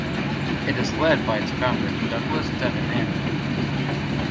It is led by its founder Douglas Devananda.